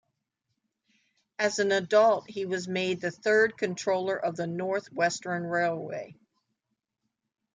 As an adult, he was made the third Controller of the North Western Railway.